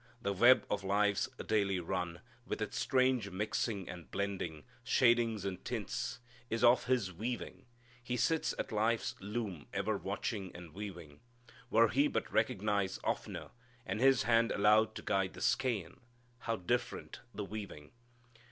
The web of life's daily run, with its strange mixing and blending, shadings and tints, is of His weaving. He sits at life's loom ever watching and weaving. Were He but recognized oftener and His hand allowed to guide the skein, how different the weaving!